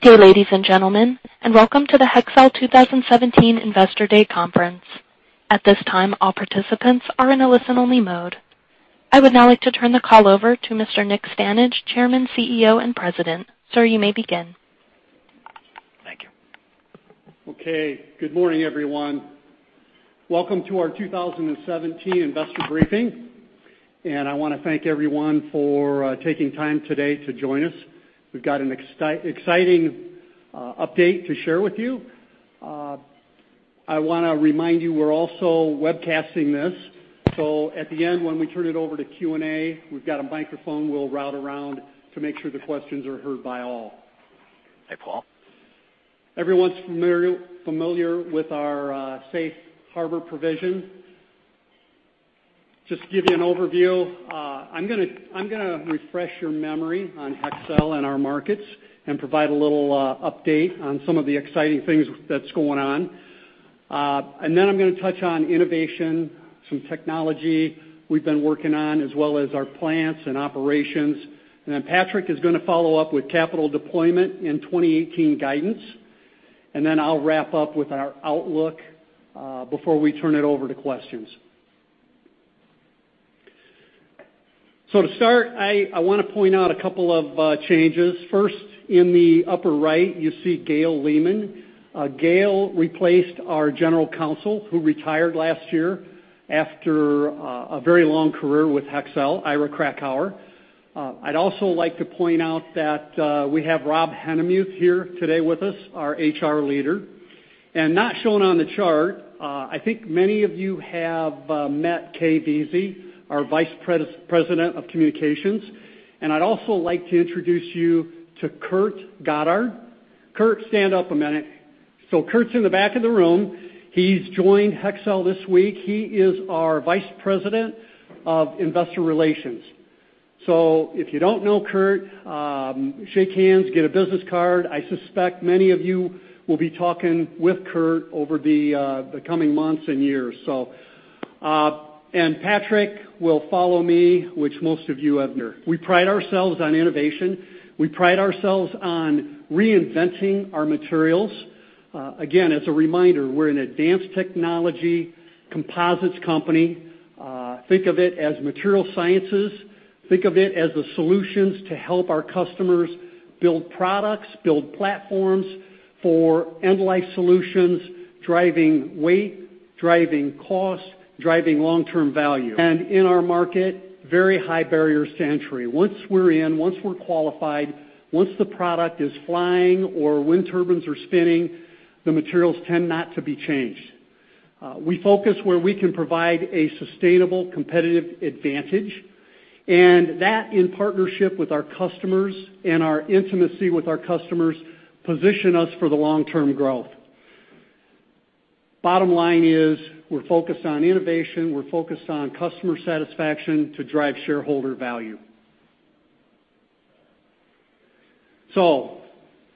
Good day, ladies and gentlemen, welcome to the Hexcel 2017 Investor Day Conference. At this time, all participants are in a listen-only mode. I would now like to turn the call over to Mr. Nick Stanage, Chairman, CEO, and President. Sir, you may begin. Thank you. Okay, good morning, everyone. Welcome to our 2017 Investor briefing. I want to thank everyone for taking time today to join us. We've got an exciting update to share with you. I want to remind you, we're also webcasting this, so at the end when we turn it over to Q&A, we've got a microphone we'll route around to make sure the questions are heard by all. Hi, Paul. Everyone's familiar with our safe harbor provision. Just to give you an overview, I'm going to refresh your memory on Hexcel and our markets and provide a little update on some of the exciting things that's going on. I'm going to touch on innovation, some technology we've been working on, as well as our plants and operations. Patrick is going to follow up with capital deployment and 2018 guidance. I'll wrap up with our outlook before we turn it over to questions. To start, I want to point out a couple of changes. First, in the upper right, you see Gail Lehman. Gail replaced our general counsel, who retired last year after a very long career with Hexcel, Ira Krakauer. I'd also like to point out that we have Rob Hennemuth here today with us, our HR leader. Not shown on the chart, I think many of you have met Kaye Veazey, our Vice President of Communications. I'd also like to introduce you to Kurt Goddard. Kurt, stand up a minute. Kurt's in the back of the room. He's joined Hexcel this week. He is our Vice President of Investor Relations. If you don't know Kurt, shake hands, get a business card. I suspect many of you will be talking with Kurt over the coming months and years. Patrick will follow me, which most of you have. We pride ourselves on innovation. We pride ourselves on reinventing our materials. Again, as a reminder, we're an advanced technology composites company. Think of it as material sciences. Think of it as the solutions to help our customers build products, build platforms for end-life solutions, driving weight, driving cost, driving long-term value. In our market, very high barriers to entry. Once we're in, once we're qualified, once the product is flying or wind turbines are spinning, the materials tend not to be changed. We focus where we can provide a sustainable competitive advantage, and that in partnership with our customers and our intimacy with our customers position us for the long-term growth. Bottom line is we're focused on innovation. We're focused on customer satisfaction to drive shareholder value.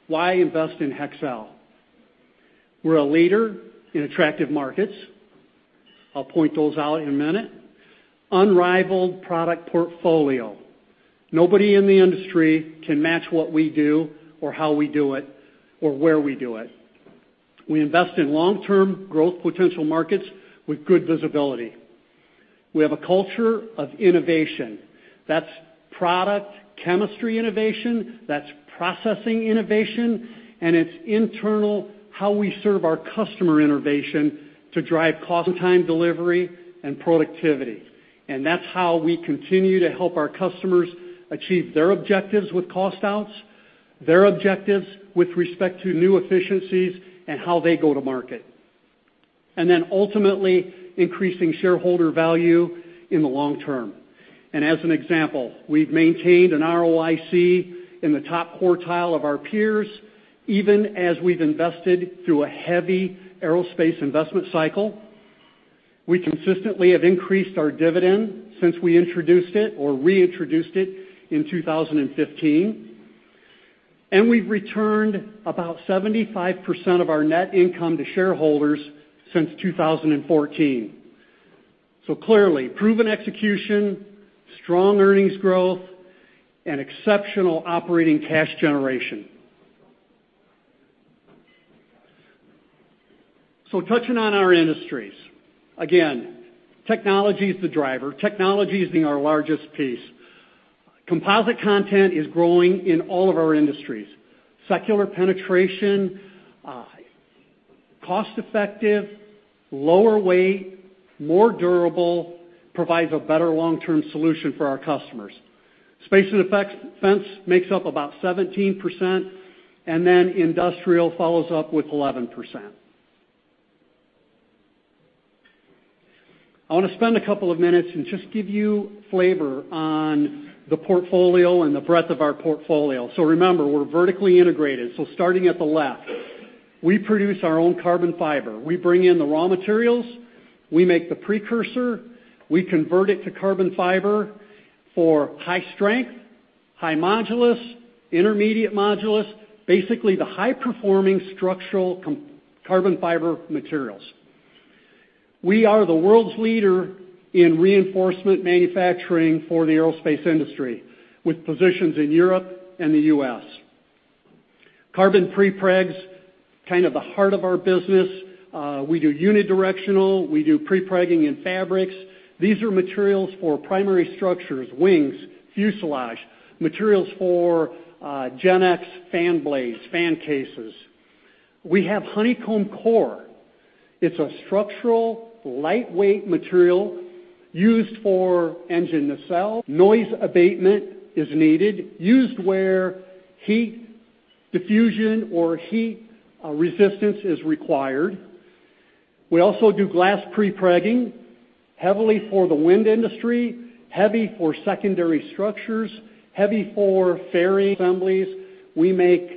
Why invest in Hexcel? We're a leader in attractive markets. I'll point those out in a minute. Unrivaled product portfolio. Nobody in the industry can match what we do or how we do it or where we do it. We invest in long-term growth potential markets with good visibility. We have a culture of innovation. That's product chemistry innovation, that's processing innovation, it's internal how we serve our customer innovation to drive cost and time delivery and productivity. That's how we continue to help our customers achieve their objectives with cost outs, their objectives with respect to new efficiencies and how they go to market. Ultimately increasing shareholder value in the long term. As an example, we've maintained an ROIC in the top quartile of our peers, even as we've invested through a heavy aerospace investment cycle. We consistently have increased our dividend since we introduced it or reintroduced it in 2015. We've returned about 75% of our net income to shareholders since 2014. Clearly proven execution, strong earnings growth, and exceptional operating cash generation. Touching on our industries. Again, technology is the driver. Technology is our largest piece. Composite content is growing in all of our industries. Secular penetration, cost-effective, lower weight, more durable, provides a better long-term solution for our customers. Space and defense makes up about 17%, industrial follows up with 11%. I want to spend a couple of minutes and just give you flavor on the portfolio and the breadth of our portfolio. Remember, we're vertically integrated. Starting at the left, we produce our own carbon fiber. We bring in the raw materials, we make the precursor, we convert it to carbon fiber for high strength, high modulus, intermediate modulus, basically the high-performing structural carbon fiber materials. We are the world's leader in reinforcement manufacturing for the aerospace industry, with positions in Europe and the U.S. Carbon prepregs, kind of the heart of our business. We do unidirectional, we do prepregging in fabrics. These are materials for primary structures, wings, fuselage. Materials for GEnx fan blades, fan cases. We have honeycomb core. It's a structural, lightweight material used for engine nacelle. Noise abatement is needed. Used where heat diffusion or heat resistance is required. We also do glass prepregging, heavily for the wind industry, heavy for secondary structures, heavy for fairing assemblies. We make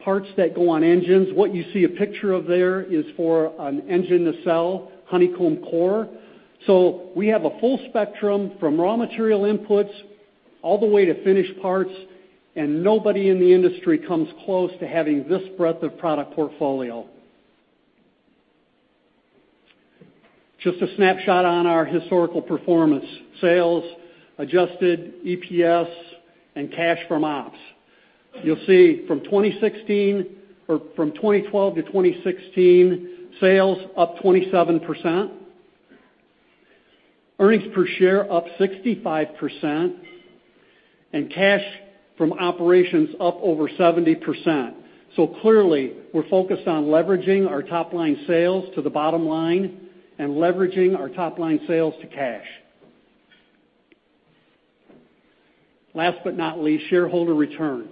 parts that go on engines. What you see a picture of there is for an engine nacelle honeycomb core. We have a full spectrum from raw material inputs all the way to finished parts, and nobody in the industry comes close to having this breadth of product portfolio. Just a snapshot on our historical performance. Sales, adjusted EPS, and cash from ops. You'll see, from 2016, or from 2012 to 2016, sales up 27%, earnings per share up 65%, and cash from operations up over 70%. Clearly, we're focused on leveraging our top-line sales to the bottom line and leveraging our top-line sales to cash. Last but not least, shareholder return.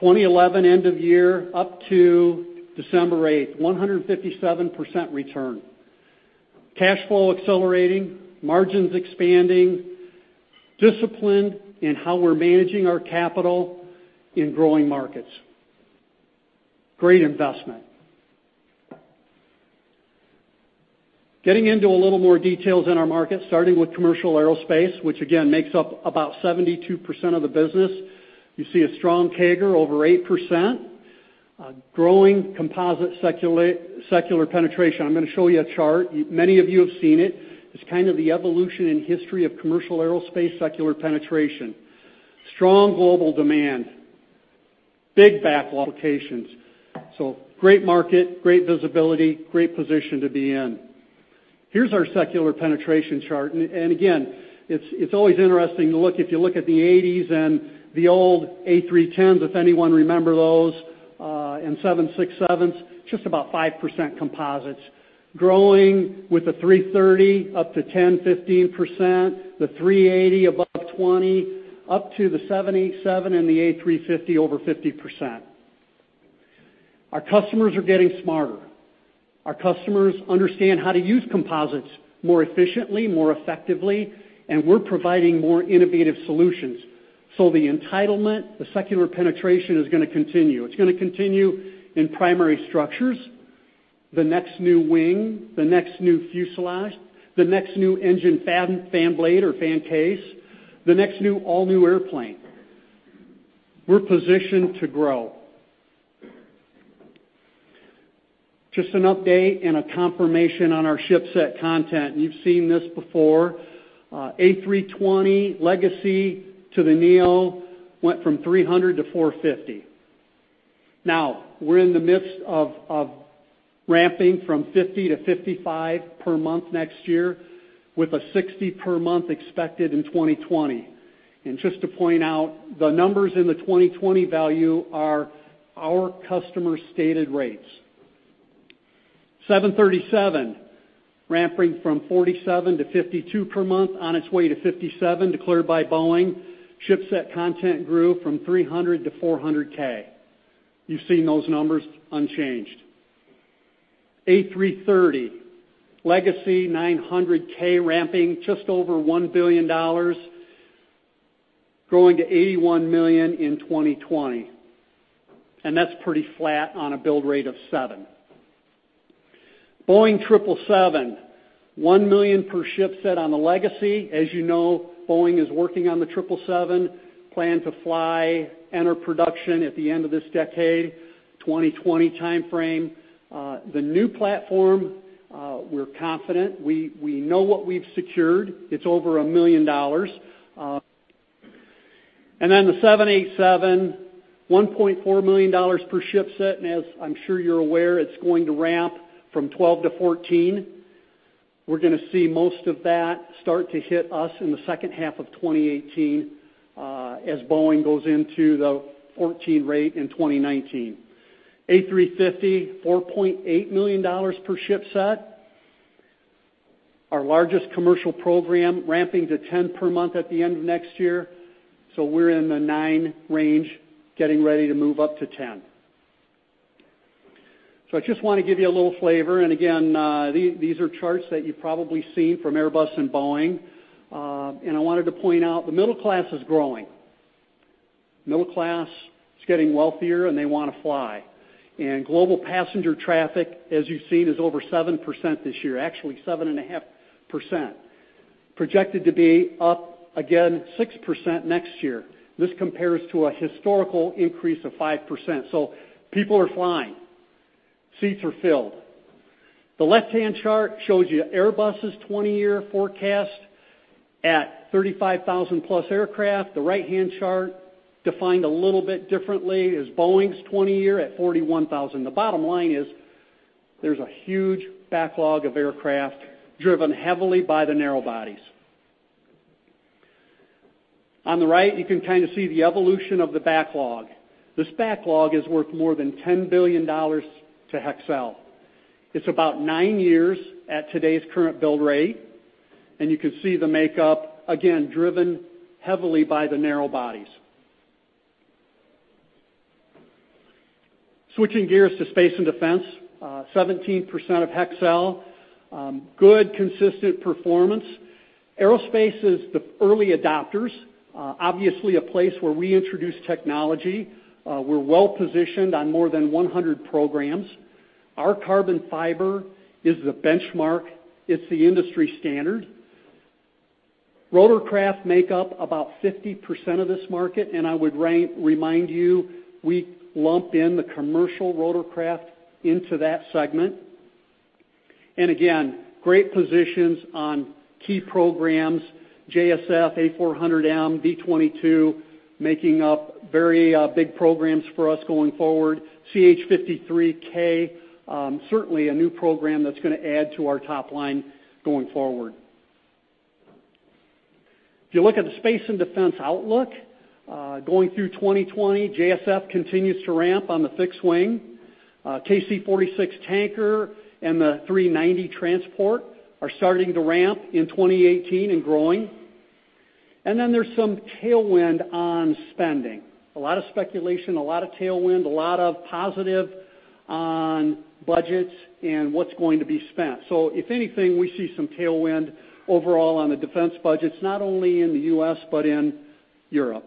2011 end of year up to December 8th, 157% return. Cash flow accelerating, margins expanding, discipline in how we're managing our capital in growing markets. Great investment. Getting into a little more details in our market, starting with commercial aerospace, which again, makes up about 72% of the business. You see a strong CAGR, over 8%. A growing composite secular penetration. I'm going to show you a chart. Many of you have seen it. It's kind of the evolution in history of commercial aerospace secular penetration. Strong global demand. Big back applications. Great market, great visibility, great position to be in. Here's our secular penetration chart, and again, it's always interesting to look. If you look at the '80s and the old A310s, if anyone remember those, and 767s, just about 5% composites. Growing with the A330 up to 10%, 15%, the A380 above 20%, up to the Boeing 787 and the A350 over 50%. Our customers are getting smarter. Our customers understand how to use composites more efficiently, more effectively, and we're providing more innovative solutions. The entitlement, the secular penetration is going to continue. It's going to continue in primary structures, the next new wing, the next new fuselage, the next new engine fan blade or fan case, the next all-new airplane. We're positioned to grow. Just an update and a confirmation on our ship-set content. You've seen this before. A320 legacy to the neo went from $300K to $450K. We're in the midst of ramping from 50 to 55 per month next year, with a 60 per month expected in 2020. And just to point out, the numbers in the 2020 value are our customer-stated rates. 737, ramping from 47 to 52 per month on its way to 57, declared by Boeing. Shipset content grew from $300,000 to $400,000. You've seen those numbers, unchanged. A330, legacy $900,000 ramping just over $1 million, growing to $81 million in 2020, and that's pretty flat on a build rate of 7. Boeing 777, $1 million per shipset on the legacy. As you know, Boeing is working on the 777, plan to fly, enter production at the end of this decade, 2020 timeframe. The new platform, we're confident. We know what we've secured. It's over $1 million. The 787, $1.4 million per shipset, as I'm sure you're aware, it's going to ramp from 12 to 14. We're going to see most of that start to hit us in the second half of 2018, as Boeing goes into the 14 rate in 2019. A350, $4.8 million per shipset. Our largest commercial program, ramping to 10 per month at the end of next year, so we're in the nine range, getting ready to move up to 10. I just want to give you a little flavor, again, these are charts that you've probably seen from Airbus and Boeing. I wanted to point out, the middle class is growing. Middle class is getting wealthier and they want to fly. Global passenger traffic, as you've seen, is over 7% this year. Actually, 7.5%. Projected to be up again 6% next year. This compares to a historical increase of 5%. People are flying, seats are filled. The left-hand chart shows you Airbus' 20-year forecast at 35,000 plus aircraft. The right-hand chart, defined a little bit differently, is Boeing's 20 year at 41,000. The bottom line is, there's a huge backlog of aircraft driven heavily by the narrow bodies. On the right, you can kind of see the evolution of the backlog. This backlog is worth more than $10 billion to Hexcel. It's about nine years at today's current build rate, and you can see the makeup, again, driven heavily by the narrow bodies. Switching gears to space and defense. 17% of Hexcel. Good, consistent performance. Aerospace is the early adopters. Obviously, a place where we introduce technology. We're well-positioned on more than 100 programs. Our carbon fiber is the benchmark. It's the industry standard. Rotorcraft make up about 50% of this market, I would remind you, we lump in the commercial rotorcraft into that segment. Again, great positions on key programs, JSF, A400M, V-22, making up very big programs for us going forward. CH-53K, certainly a new program that's going to add to our top line going forward. If you look at the space and defense outlook, going through 2020, JSF continues to ramp on the fixed wing. KC-46 tanker and the 390 transport are starting to ramp in 2018 and growing. There's some tailwind on spending. A lot of speculation, a lot of tailwind, a lot of positive on budgets and what's going to be spent. If anything, we see some tailwind overall on the defense budgets, not only in the U.S., but in Europe.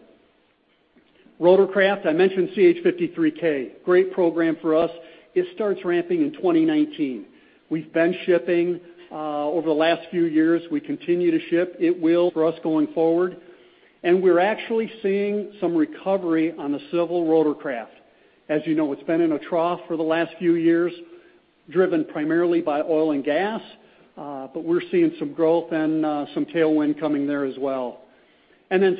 Rotorcraft, I mentioned CH-53K. Great program for us. It starts ramping in 2019. We've been shipping, over the last few years. We continue to ship. It will for us going forward. We're actually seeing some recovery on the civil rotorcraft. As you know, it's been in a trough for the last few years, driven primarily by oil and gas. We're seeing some growth and some tailwind coming there as well.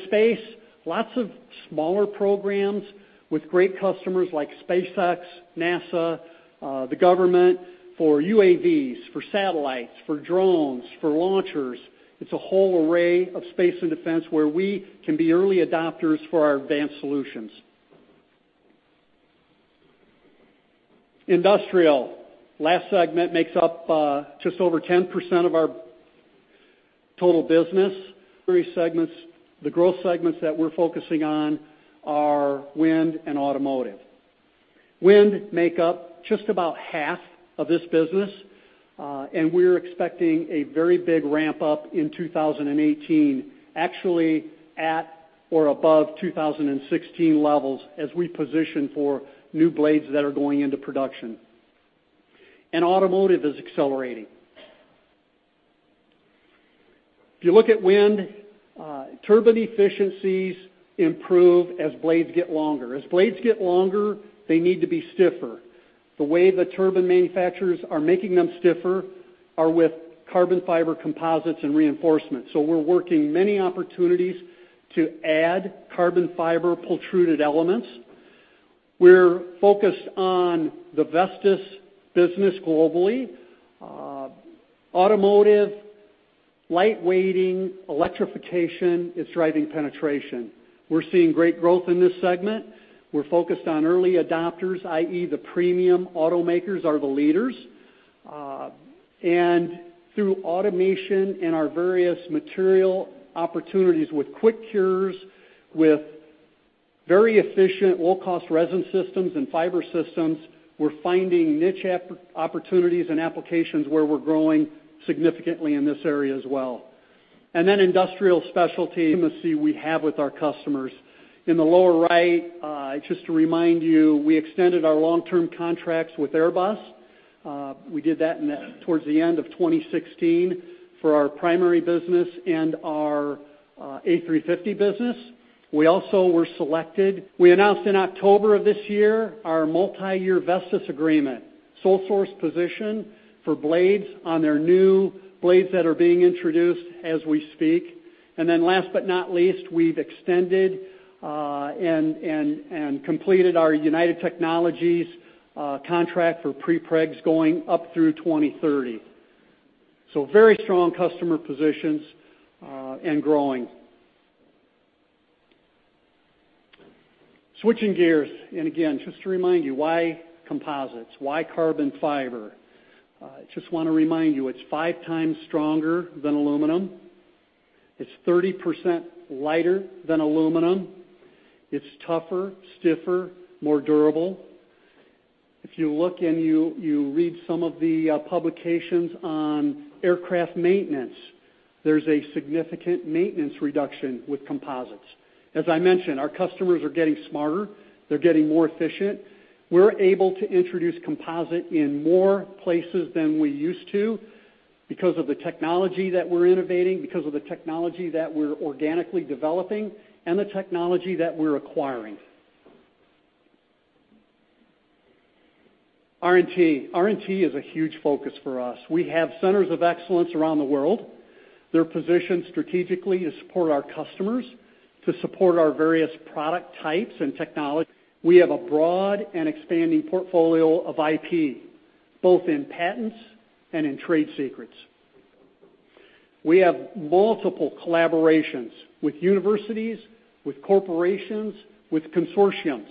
Space. Lots of smaller programs with great customers like SpaceX, NASA, the government, for UAVs, for satellites, for drones, for launchers. It's a whole array of space and defense where we can be early adopters for our advanced solutions. Industrial. Last segment makes up just over 10% of our total business. Three segments. The growth segments that we're focusing on are wind and automotive. Wind make up just about half of this business. We're expecting a very big ramp-up in 2018, actually at or above 2016 levels, as we position for new blades that are going into production. Automotive is accelerating. If you look at wind, turbine efficiencies improve as blades get longer. As blades get longer, they need to be stiffer. The way the turbine manufacturers are making them stiffer are with carbon fiber composites and reinforcement. We're working many opportunities to add carbon fiber pultruded elements. We're focused on the Vestas business globally. Automotive, light-weighting, electrification is driving penetration. We're seeing great growth in this segment. We're focused on early adopters, i.e., the premium automakers are the leaders. Through automation and our various material opportunities with quick cures, with very efficient low-cost resin systems and fiber systems, we're finding niche opportunities and applications where we're growing significantly in this area as well. Industrial specialty, we have with our customers. In the lower right, just to remind you, we extended our long-term contracts with Airbus. We did that towards the end of 2016 for our primary business and our A350 business. We also were selected. We announced in October of this year our multi-year Vestas agreement. Sole source position for blades on their new blades that are being introduced as we speak. Last but not least, we've extended and completed our United Technologies contract for prepregs going up through 2030. Very strong customer positions, and growing. Switching gears, just to remind you, why composites? Why carbon fiber? Just want to remind you, it's five times stronger than aluminum. It's 30% lighter than aluminum. It's tougher, stiffer, more durable. If you look and you read some of the publications on aircraft maintenance, there's a significant maintenance reduction with composites. As I mentioned, our customers are getting smarter. They're getting more efficient. We're able to introduce composite in more places than we used to because of the technology that we're innovating, because of the technology that we're organically developing, and the technology that we're acquiring. R&T. R&T is a huge focus for us. We have centers of excellence around the world. They're positioned strategically to support our customers, to support our various product types and technology. We have a broad and expanding portfolio of IP, both in patents and in trade secrets. We have multiple collaborations with universities, with corporations, with consortiums.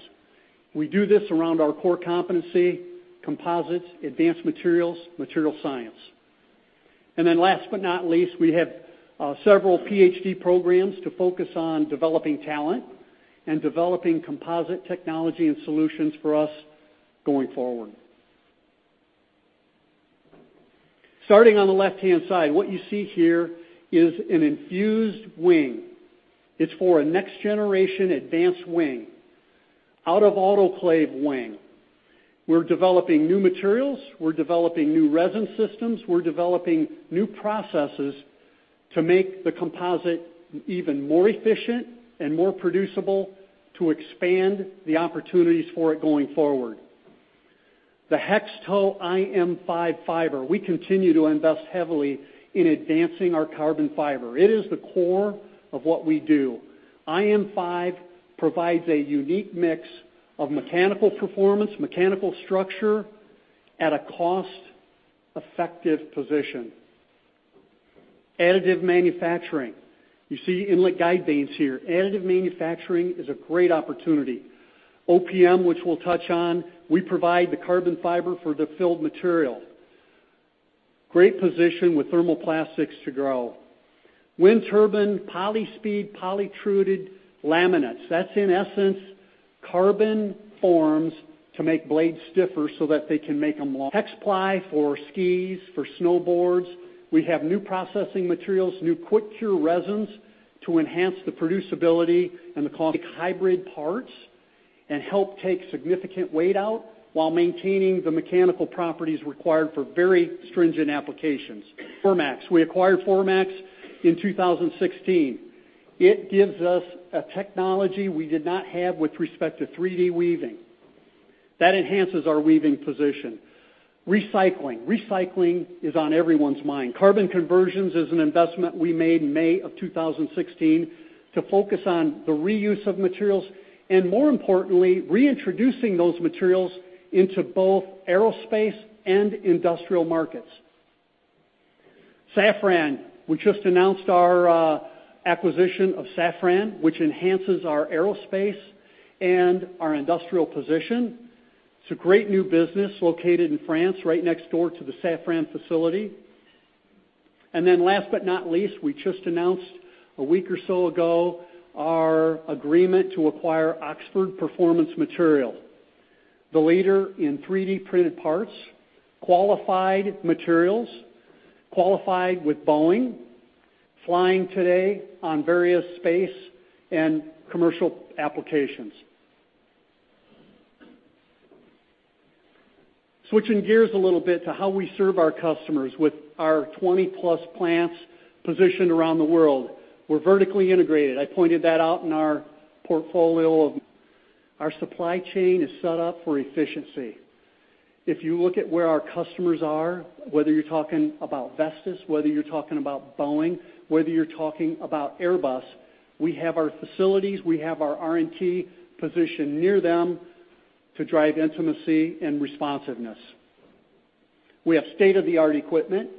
We do this around our core competency, composites, advanced materials, material science. Last but not least, we have several PhD programs to focus on developing talent and developing composite technology and solutions for us going forward. Starting on the left-hand side, what you see here is an infused wing. It's for a next generation advanced wing, out-of-autoclave wing. We're developing new materials. We're developing new resin systems. We're developing new processes to make the composite even more efficient and more producible to expand the opportunities for it going forward. The HexTow IM5 fiber, we continue to invest heavily in advancing our carbon fiber. It is the core of what we do. IM5 provides a unique mix of mechanical performance, mechanical structure, at a cost-effective position. Additive manufacturing. You see inlet guide vanes here. Additive manufacturing is a great opportunity. OPM, which we'll touch on, we provide the carbon fiber for the filled material. Great position with thermoplastics to grow. Wind turbine Polyspeed pultruded laminates. That's, in essence, carbon forms to make blades stiffer so that they can make them long. HexPly for skis, for snowboards. We have new processing materials, new quick-cure resins to enhance the producibility and the cost. Make hybrid parts and help take significant weight out while maintaining the mechanical properties required for very stringent applications. Formax. We acquired Formax in 2016. It gives us a technology we did not have with respect to 3D weaving. That enhances our weaving position. Recycling. Recycling is on everyone's mind. Carbon Conversions is an investment we made in May of 2016 to focus on the reuse of materials, and more importantly, reintroducing those materials into both aerospace and industrial markets. Safran. We just announced our acquisition of Safran, which enhances our aerospace and our industrial position. It's a great new business located in France, right next door to the Safran facility. Last but not least, we just announced a week or so ago our agreement to acquire Oxford Performance Materials, the leader in 3D-printed parts, qualified materials, qualified with Boeing, flying today on various space and commercial applications. Switching gears a little bit to how we serve our customers with our 20-plus plants positioned around the world. We're vertically integrated. I pointed that out in our portfolio. Our supply chain is set up for efficiency. If you look at where our customers are, whether you're talking about Vestas, whether you're talking about Boeing, whether you're talking about Airbus, we have our facilities, we have our R&T positioned near them to drive intimacy and responsiveness. We have state-of-the-art equipment.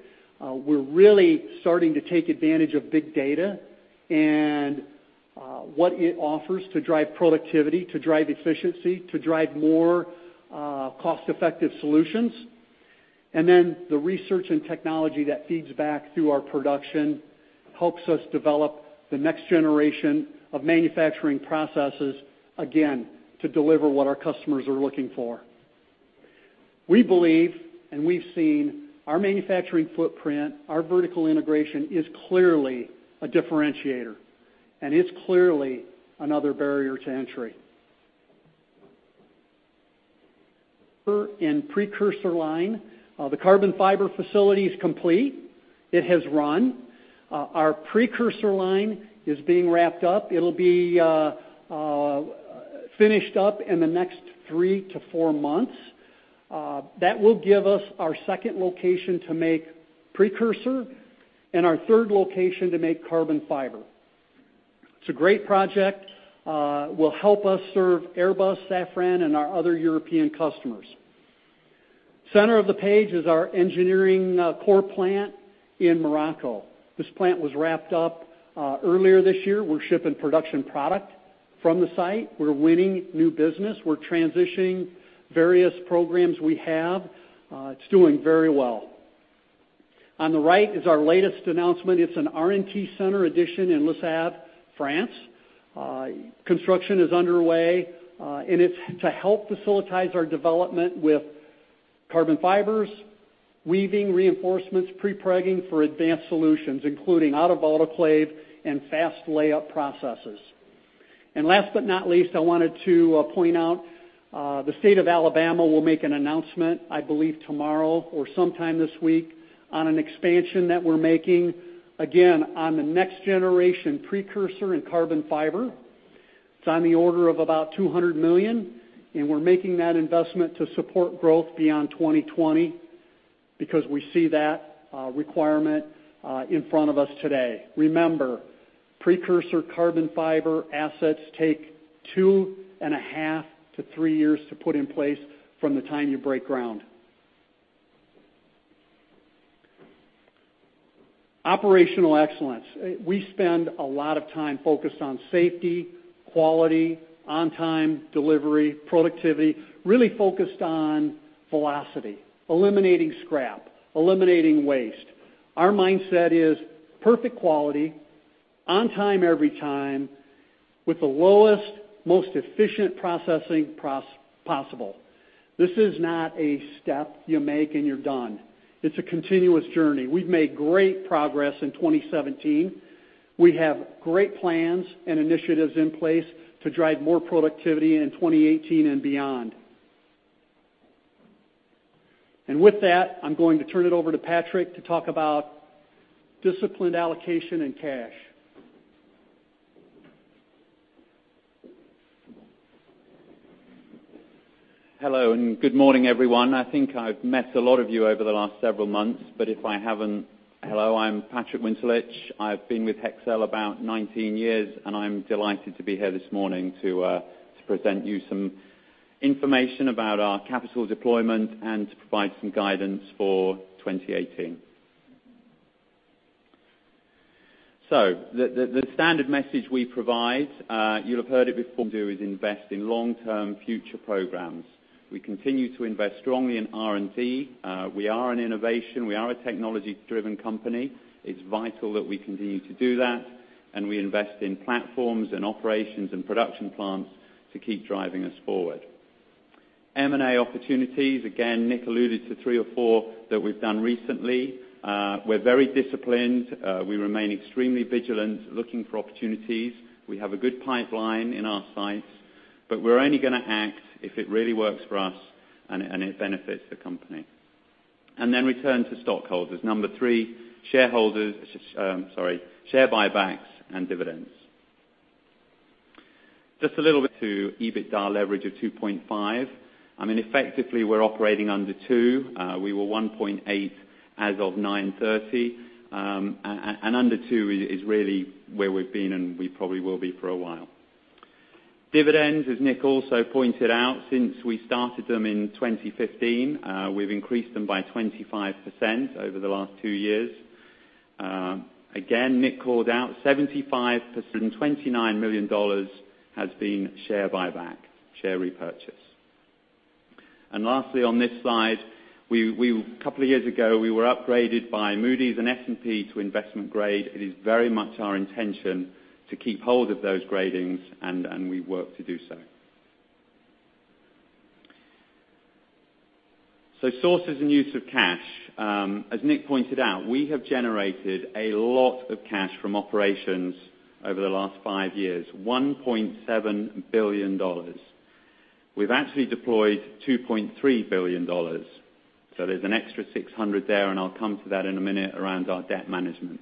We're really starting to take advantage of big data and what it offers to drive productivity, to drive efficiency, to drive more cost-effective solutions. The research and technology that feeds back through our production helps us develop the next generation of manufacturing processes, again, to deliver what our customers are looking for. We believe and we've seen our manufacturing footprint, our vertical integration is clearly a differentiator, and it's clearly another barrier to entry. In precursor line. The carbon fiber facility is complete. It has run. Our precursor line is being wrapped up. It'll be finished up in the next 3 to 4 months. That will give us our second location to make precursor and our third location to make carbon fiber. It's a great project. Will help us serve Airbus, Safran, and our other European customers. Center of the page is our engineering core plant in Morocco. This plant was wrapped up earlier this year. We're shipping production product from the site. We're winning new business. We're transitioning various programs we have. It's doing very well. On the right is our latest announcement. It's an R&T center addition in Les Avenières, France. Construction is underway, and it's to help facilitate our development with carbon fibers, weaving reinforcements, prepregging for advanced solutions, including out-of-autoclave and fast layup processes. Last but not least, I wanted to point out the state of Alabama will make an announcement, I believe tomorrow or sometime this week, on an expansion that we're making, again, on the next generation precursor in carbon fiber. It's on the order of about $200 million, and we're making that investment to support growth beyond 2020, because we see that requirement in front of us today. Remember, precursor carbon fiber assets take two and a half to three years to put in place from the time you break ground. Operational excellence. We spend a lot of time focused on safety, quality, on-time delivery, productivity, really focused on velocity, eliminating scrap, eliminating waste. Our mindset is perfect quality, on time every time, with the lowest, most efficient processing possible. This is not a step you make and you're done. It's a continuous journey. We've made great progress in 2017. We have great plans and initiatives in place to drive more productivity in 2018 and beyond. With that, I'm going to turn it over to Patrick to talk about disciplined allocation and cash. Hello, good morning, everyone. I think I've met a lot of you over the last several months, but if I haven't, hello, I'm Patrick Winterlich. I've been with Hexcel about 19 years, and I'm delighted to be here this morning to present you some information about our capital deployment and to provide some guidance for 2018. The standard message we provide, you'll have heard it before do is invest in long-term future programs. We continue to invest strongly in R&D. We are an innovation, we are a technology-driven company. It's vital that we continue to do that, and we invest in platforms and operations and production plants to keep driving us forward. M&A opportunities, again, Nick alluded to three or four that we've done recently. We're very disciplined. We remain extremely vigilant, looking for opportunities. We have a good pipeline in our sights, but we're only going to act if it really works for us and it benefits the company. Return to stockholders. Number three, shareholders, sorry, share buybacks and dividends. Just a little bit to EBITDA leverage of 2.5. Effectively, we're operating under two. We were 1.8 as of 9/30. Under two is really where we've been, and we probably will be for a while. Dividends, as Nick also pointed out, since we started them in 2015, we've increased them by 25% over the last two years. Again, Nick called out 75% and $29 million has been share buyback, share repurchase. Lastly, on this slide, a couple of years ago, we were upgraded by Moody's and S&P to investment grade. It is very much our intention to keep hold of those gradings, and we work to do so. Sources and use of cash. As Nick pointed out, we have generated a lot of cash from operations over the last five years, $1.7 billion. We've actually deployed $2.3 billion. There's an extra $600 million there, and I'll come to that in a minute around our debt management.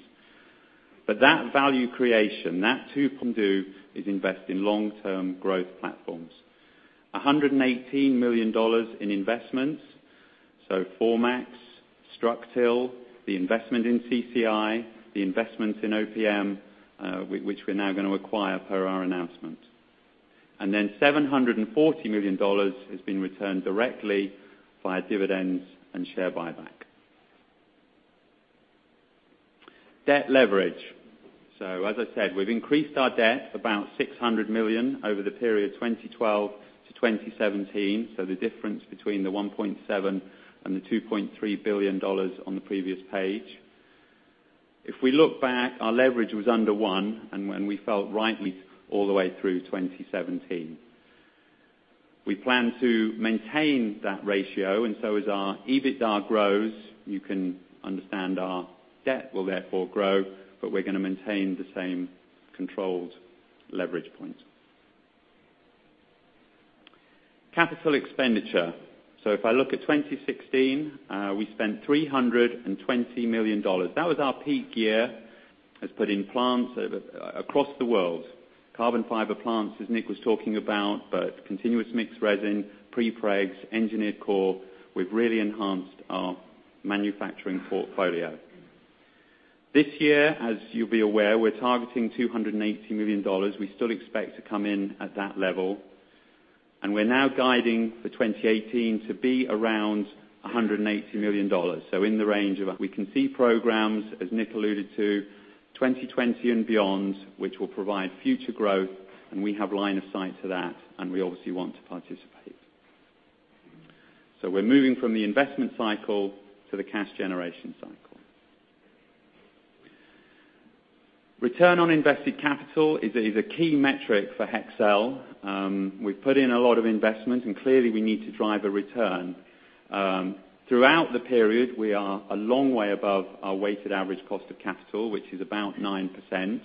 That value creation, that to do is invest in long-term growth platforms. $118 million in investments, Formax, Structil, the investment in CCI, the investment in OPM, which we're now going to acquire per our announcement. $740 million has been returned directly via dividends and share buyback. Debt leverage. As I said, we've increased our debt about $600 million over the period 2012 to 2017, the difference between the $1.7 billion and the $2.3 billion on the previous page. If we look back, our leverage was under one, and when we felt rightly all the way through 2017. We plan to maintain that ratio. As our EBITDA grows, you can understand our debt will therefore grow, but we're going to maintain the same controlled leverage points. Capital expenditure. If I look at 2016, we spent $320 million. That was our peak year, has put in plants across the world. Carbon fiber plants, as Nick was talking about, but continuous mixed resin, prepregs, engineered core. We've really enhanced our manufacturing portfolio. This year, as you'll be aware, we're targeting $280 million. We still expect to come in at that level. We're now guiding for 2018 to be around $180 million. In the range of we can see programs, as Nick alluded to, 2020 and beyond, which will provide future growth, and we have line of sight to that, we obviously want to participate. We're moving from the investment cycle to the cash generation cycle. Return on invested capital is a key metric for Hexcel. We put in a lot of investment, and clearly, we need to drive a return. Throughout the period, we are a long way above our weighted average cost of capital, which is about 9%.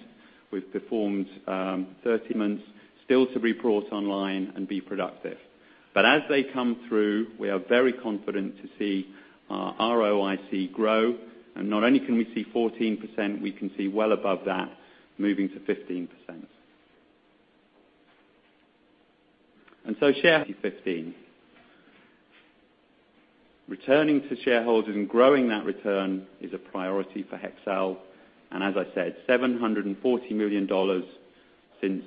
We've performed 30 months, still to be brought online and be productive. As they come through, we are very confident to see our ROIC grow, and not only can we see 14%, we can see well above that, moving to 15%. Share 15. Returning to shareholders and growing that return is a priority for Hexcel, and as I said, $740 million since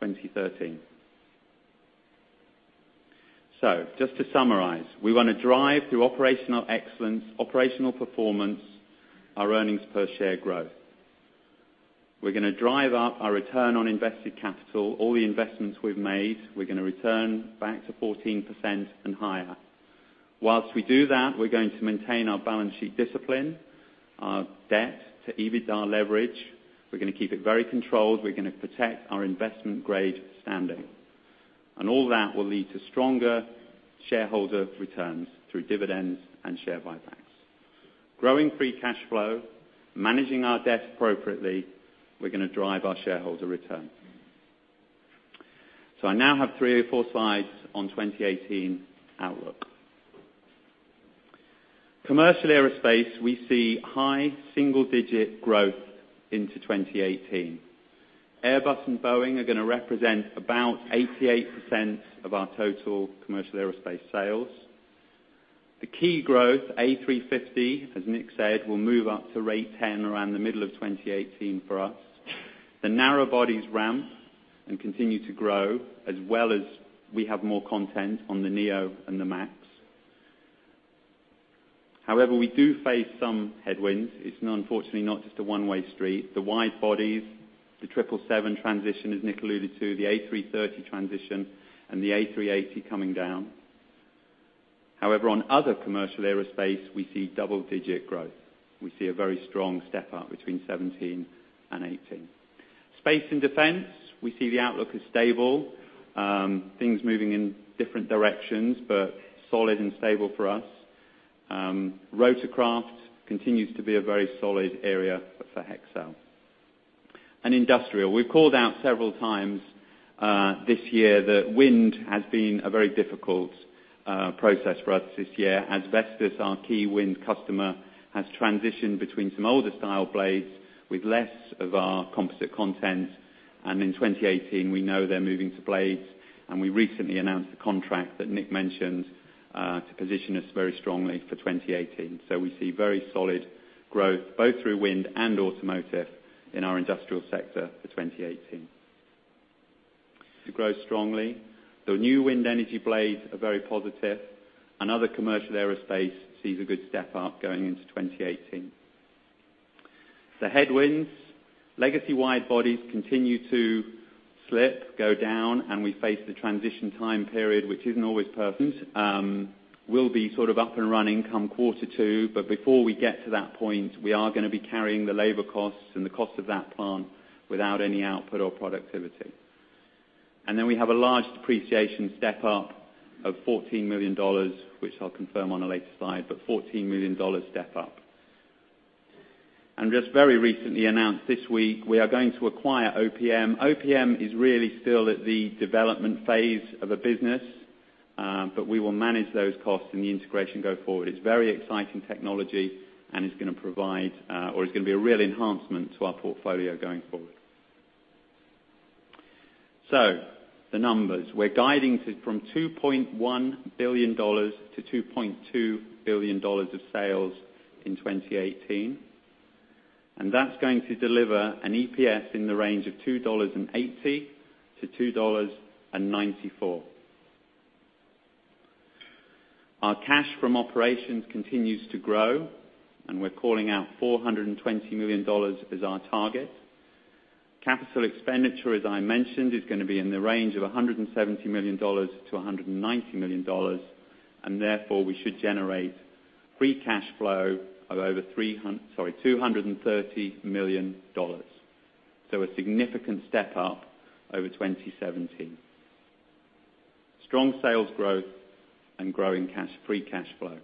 2013. Just to summarize, we want to drive, through operational excellence, operational performance, our earnings per share growth. We're going to drive up our return on invested capital, all the investments we've made, we're going to return back to 14% and higher. Whilst we do that, we're going to maintain our balance sheet discipline, our debt to EBITDA leverage. We're going to keep it very controlled. We're going to protect our investment grade standing. All that will lead to stronger shareholder returns through dividends and share buybacks. Growing free cash flow, managing our debt appropriately, we're going to drive our shareholder return. I now have three or four slides on 2018 outlook. Commercial aerospace, we see high single-digit growth into 2018. Airbus and Boeing are going to represent about 88% of our total commercial aerospace sales. The key growth, A350, as Nick said, will move up to rate 10 around the middle of 2018 for us. The narrow bodies ramp and continue to grow, as well as we have more content on the Neo and the Max. We do face some headwinds. It's unfortunately not just a one-way street. The wide bodies, the 777 transition, as Nick alluded to, the A330 transition, and the A380 coming down. On other commercial aerospace, we see double-digit growth. We see a very strong step-up between 2017 and 2018. Space and defense, we see the outlook is stable. Things moving in different directions, but solid and stable for us. Rotorcraft continues to be a very solid area for Hexcel. Industrial, we've called out several times this year that wind has been a very difficult process for us this year. As Vestas, our key wind customer, has transitioned between some older style blades with less of our composite content. In 2018, we know they're moving to blades, and we recently announced the contract that Nick mentioned to position us very strongly for 2018. We see very solid growth both through wind and automotive in our industrial sector for 2018. To grow strongly, the new wind energy blades are very positive. Another commercial aerospace sees a good step-up going into 2018. The headwinds, legacy wide bodies continue to slip, go down, and we face the transition time period, which isn't always perfect. We'll be up and running come quarter two, before we get to that point, we are going to be carrying the labor costs and the cost of that plant without any output or productivity. We have a large depreciation step-up of $14 million, which I'll confirm on a later slide, but $14 million step-up. Just very recently announced this week, we are going to acquire OPM. OPM is really still at the development phase of a business, but we will manage those costs and the integration go forward. It's very exciting technology, and it's going to provide or it's going to be a real enhancement to our portfolio going forward. The numbers. We're guiding from $2.1 billion-$2.2 billion of sales in 2018. That's going to deliver an EPS in the range of $2.80 to $2.94. Our cash from operations continues to grow, we're calling out $420 million as our target. Capital expenditure, as I mentioned, is going to be in the range of $170 million-$190 million, therefore, we should generate free cash flow of over $230 million. A significant step up over 2017. Strong sales growth and growing free cash flow.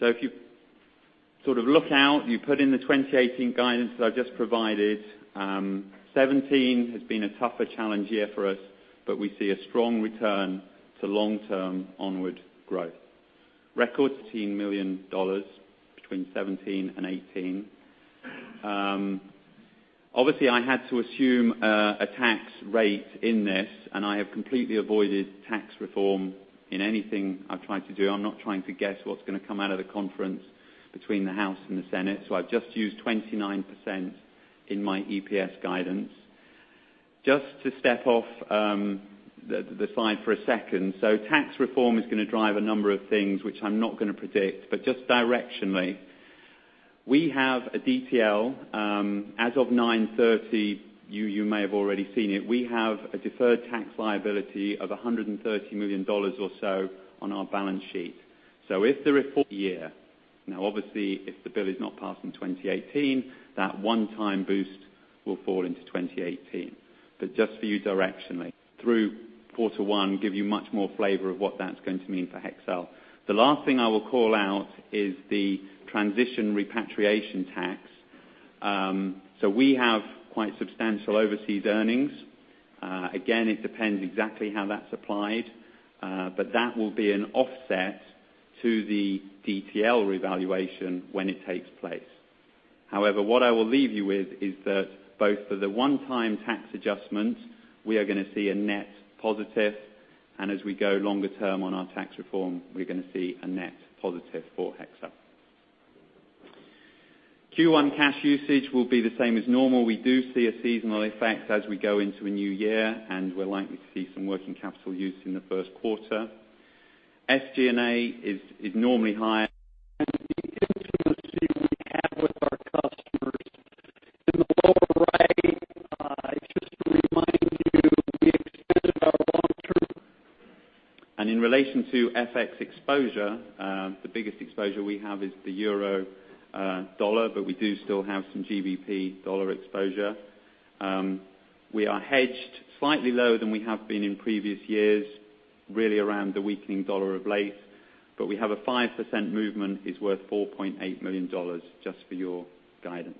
If you look out, you put in the 2018 guidance that I just provided, 2017 has been a tougher challenge year for us, we see a strong return to long-term onward growth. Record $17 million between 2017 and 2018. Obviously, I had to assume a tax rate in this, and I have completely avoided tax reform in anything I've tried to do. I'm not trying to guess what's going to come out of the conference between the House and the Senate. I've just used 29% in my EPS guidance. Just to step off the slide for a second. Tax reform is going to drive a number of things, which I'm not going to predict, but just directionally. We have a DTL. As of 9/30, you may have already seen it. We have a deferred tax liability of $130 million or so on our balance sheet. If the reform- Obviously, if the bill is not passed in 2018, that one-time boost will fall into 2018. Just for you directionally, through quarter one, give you much more flavor of what that's going to mean for Hexcel. The last thing I will call out is the transition repatriation tax. We have quite substantial overseas earnings. Again, it depends exactly how that's applied, but that will be an offset to the DTL revaluation when it takes place. What I will leave you with is that both for the one-time tax adjustment, we're going to see a net positive, and as we go longer-term on our tax reform, we're going to see a net positive for Hexcel. Q1 cash usage will be the same as normal. We do see a seasonal effect as we go into a new year, and we're likely to see some working capital use in the first quarter. SG&A is normally high. The intimacy we have with our customers. In the lower right, it's just to remind you, we extended our long-term In relation to FX exposure, the biggest exposure we have is the EUR, but we do still have some GBP exposure. We are hedged slightly lower than we have been in previous years, really around the weakening dollar of late, but we have a 5% movement is worth $4.8 million just for your guidance.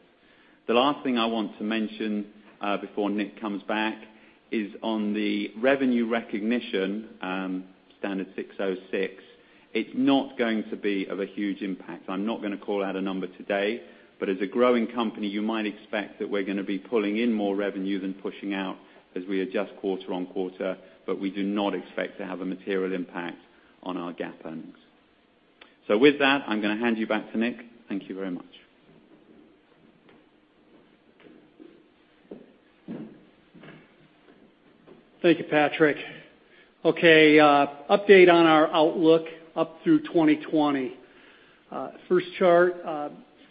The last thing I want to mention, before Nick comes back, is on the revenue recognition, ASC 606, it's not going to be of a huge impact. I'm not going to call out a number today, but as a growing company, you might expect that we're going to be pulling in more revenue than pushing out as we adjust quarter-on-quarter, but we do not expect to have a material impact on our GAAP earnings. With that, I'm going to hand you back to Nick. Thank you very much. Thank you, Patrick. Update on our outlook up through 2020. First chart,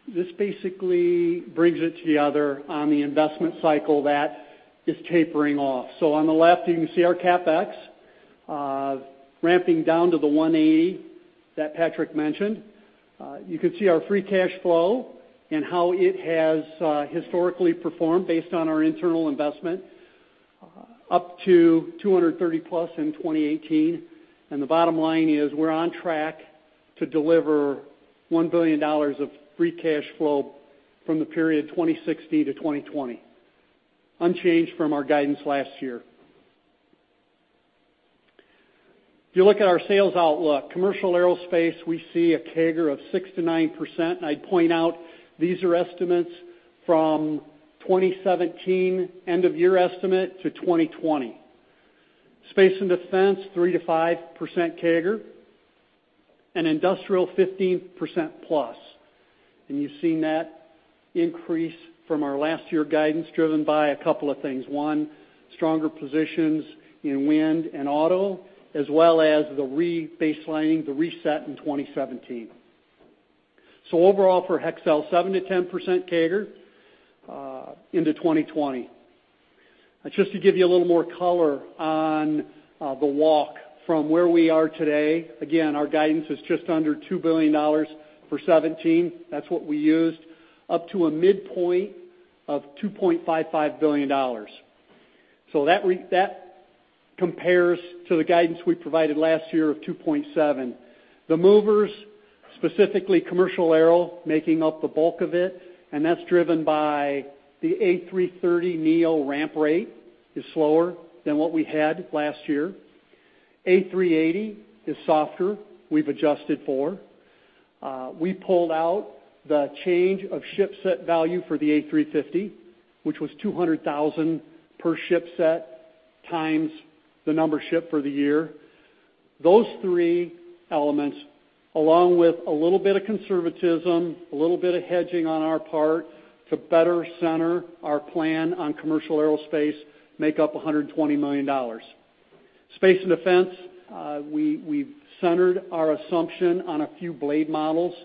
this basically brings it together on the investment cycle that is tapering off. On the left, you can see our CapEx, ramping down to the 180 that Patrick mentioned. You can see our free cash flow and how it has historically performed based on our internal investment, up to 230+ in 2018. The bottom line is we're on track to deliver $1 billion of free cash flow from the period 2016 to 2020, unchanged from our guidance last year. If you look at our sales outlook, Commercial Aerospace, we see a CAGR of 6%-9%, and I'd point out, these are estimates from 2017 end-of-year estimate to 2020. Space and Defense, 3%-5% CAGR, and Industrial 15%+. You've seen that increase from our last year guidance, driven by a couple of things. One, stronger positions in wind and auto, as well as the re-baselining, the reset in 2017. Overall, for Hexcel, 7%-10% CAGR into 2020. Just to give you a little more color on the walk from where we are today. Again, our guidance is just under $2 billion for 2017, that's what we used, up to a midpoint of $2.55 billion. That compares to the guidance we provided last year of $2.7 billion. The movers, specifically commercial aero, making up the bulk of it, and that's driven by the A330neo ramp rate is slower than what we had last year. A380 is softer, we've adjusted for. We pulled out the change of shipset value for the A350, which was $200,000 per shipset, times the number shipped for the year. Those three elements, along with a little bit of conservatism, a little bit of hedging on our part to better center our plan on commercial aerospace, make up $120 million. Space and defense, we've centered our assumption on a few blade models,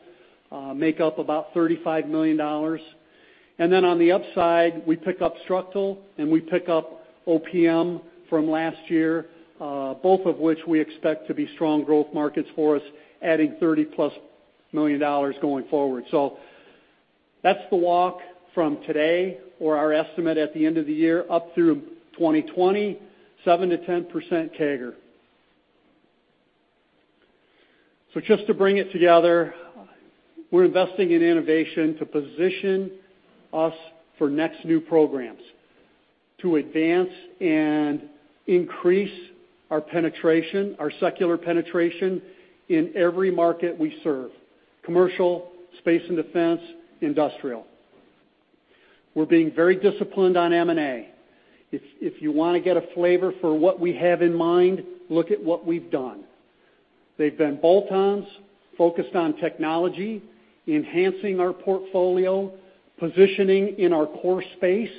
make up about $35 million. On the upside, we pick up Structil and we pick up OPM from last year, both of which we expect to be strong growth markets for us, adding $30+ million going forward. That's the walk from today or our estimate at the end of the year up through 2020, 7%-10% CAGR. Just to bring it together, we're investing in innovation to position us for next new programs to advance and increase our secular penetration in every market we serve, commercial, space and defense, industrial. We're being very disciplined on M&A. If you want to get a flavor for what we have in mind, look at what we've done. They've been bolt-ons, focused on technology, enhancing our portfolio, positioning in our core space,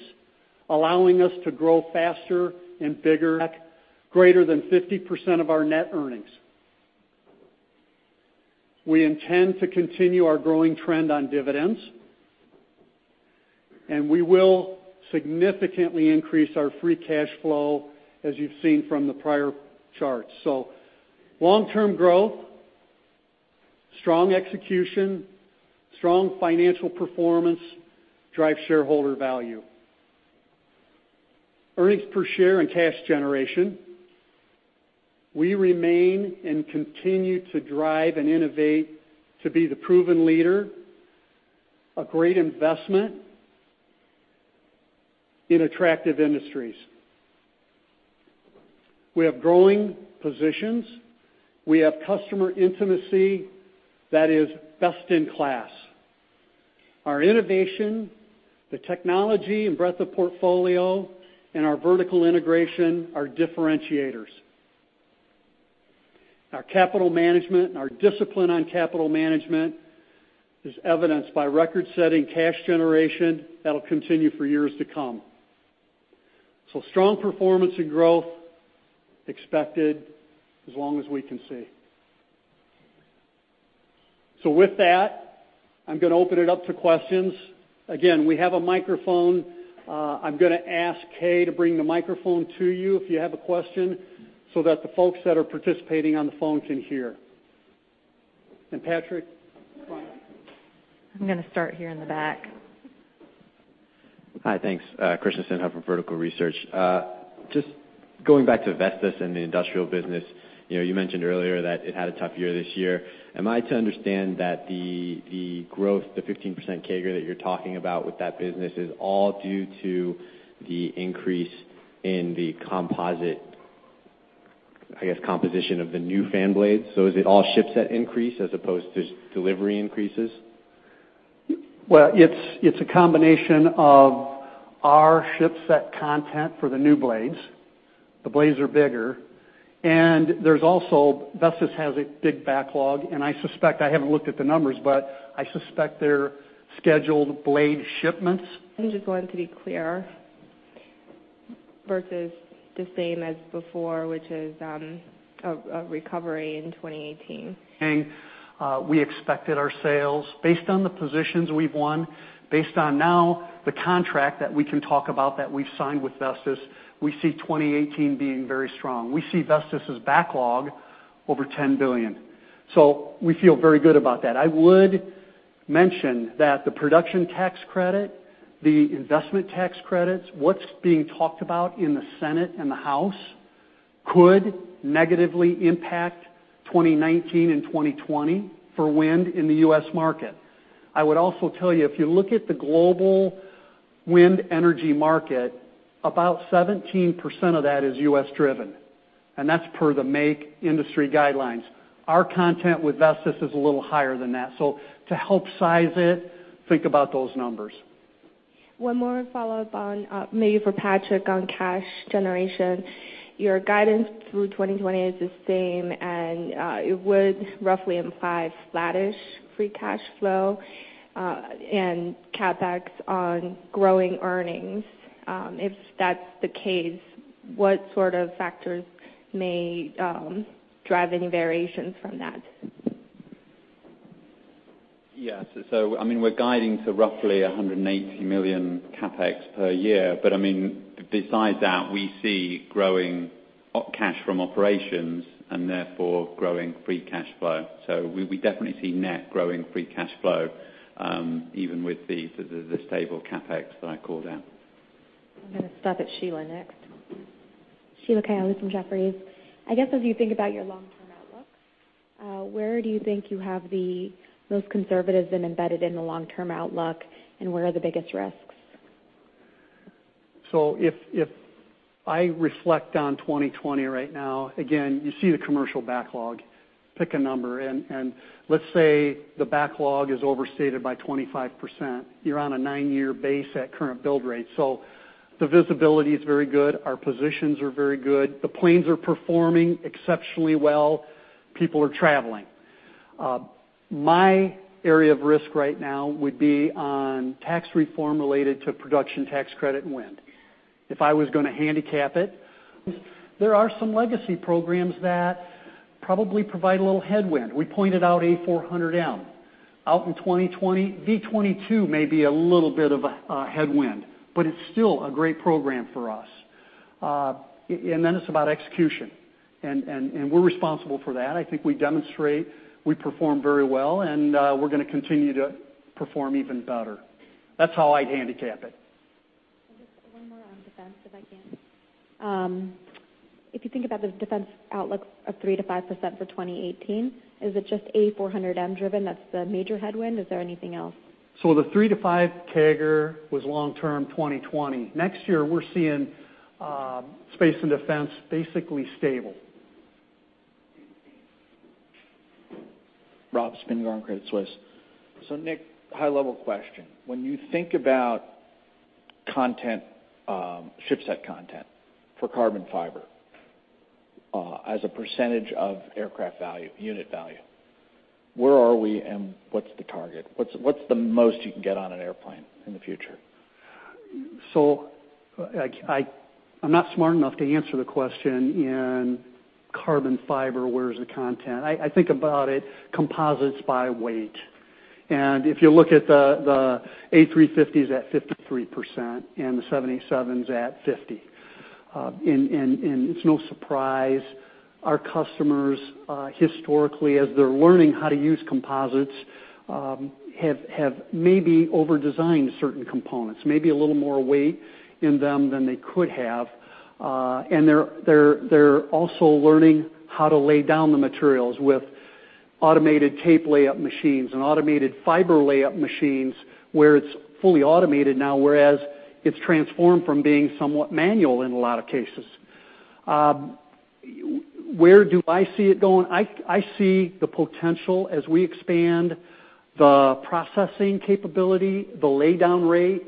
allowing us to grow faster and bigger, greater than 50% of our net earnings. We intend to continue our growing trend on dividends. We will significantly increase our free cash flow, as you've seen from the prior charts. Long-term growth, strong execution, strong financial performance drive shareholder value. Earnings per share and cash generation, we remain and continue to drive and innovate to be the proven leader, a great investment in attractive industries. We have growing positions. We have customer intimacy that is best in class. Our innovation, the technology, and breadth of portfolio, and our vertical integration are differentiators. Our capital management and our discipline on capital management is evidenced by record-setting cash generation that'll continue for years to come. Strong performance and growth expected as long as we can see. With that, I'm going to open it up to questions. Again, we have a microphone. I'm going to ask Kaye to bring the microphone to you if you have a question so that the folks that are participating on the phone can hear. Patrick? I'm going to start here in the back. Hi, thanks. Chris Messineo from Vertical Research. Just going back to Vestas and the industrial business. You mentioned earlier that it had a tough year this year. Am I to understand that the growth, the 15% CAGR that you're talking about with that business is all due to the increase in the composite, I guess, composition of the new fan blades? Is it all shipset increase as opposed to delivery increases? Well, it's a combination of our shipset content for the new blades. The blades are bigger, and there's also, Vestas has a big backlog, and I suspect I haven't looked at the numbers, but I suspect their scheduled blade shipments- I'm just going to be clear, versus the same as before, which is a recovery in 2018. We expected our sales based on the positions we've won, based on now the contract that we can talk about that we've signed with Vestas. We see 2018 being very strong. We see Vestas' backlog over $10 billion. We feel very good about that. I would mention that the Production Tax Credit, the Investment Tax Credit, what's being talked about in the Senate and the House could negatively impact 2019 and 2020 for wind in the U.S. market. I would also tell you, if you look at the global wind energy market, about 17% of that is U.S.-driven, and that's per the MAKE industry guidelines. Our content with Vestas is a little higher than that. To help size it, think about those numbers. One more follow-up on, maybe for Patrick, on cash generation. Your guidance through 2020 is the same, and it would roughly imply flattish free cash flow, and CapEx on growing earnings. If that's the case, what sort of factors may drive any variations from that? Yes. We're guiding to roughly $180 million CapEx per year. Besides that, we see growing cash from operations and therefore growing free cash flow. We definitely see net growing free cash flow, even with the stable CapEx that I called out. I'm going to stop at Sheila next. Sheila Kahyaoglu with Jefferies. I guess, as you think about your long-term outlook, where do you think you have the most conservatives embedded in the long-term outlook, and where are the biggest risks? If I reflect on 2020 right now, again, you see the commercial backlog. Pick a number, and let's say the backlog is overstated by 25%. You're on a nine-year base at current build rate. The visibility is very good. Our positions are very good. The planes are performing exceptionally well. People are traveling. My area of risk right now would be on tax reform related to Production Tax Credit and wind. If I was going to handicap it, there are some legacy programs that probably provide a little headwind. We pointed out A400M. Out in 2020, V-22 may be a little bit of a headwind. It's still a great program for us. It's about execution, and we're responsible for that. I think we demonstrate, we perform very well, and we're going to continue to perform even better. That's how I'd handicap it. Just one more on defense, if I can. If you think about the defense outlook of 3%-5% for 2018, is it just A400M driven that's the major headwind? Is there anything else? The 3%-5% CAGR was long-term 2020. Next year, we're seeing space and defense basically stable. Rob Spingarn, Credit Suisse. Nick, high-level question. When you think about shipset content for carbon fiber as a percentage of aircraft unit value, where are we and what's the target? What's the most you can get on an airplane in the future? I'm not smart enough to answer the question carbon fiber, where's the content? I think about it composites by weight. If you look at the A350s at 53% and the 787s at 50%. It's no surprise our customers, historically, as they're learning how to use composites, have maybe over-designed certain components, maybe a little more weight in them than they could have. They're also learning how to lay down the materials with automated tape layup machines and automated fiber layup machines where it's fully automated now, whereas it's transformed from being somewhat manual in a lot of cases. Where do I see it going? I see the potential, as we expand the processing capability, the laydown rate